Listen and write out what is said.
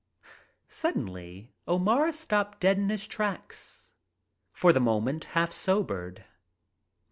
Suddenly O'Mara stopped dead in his tracks, for the moment half sobered.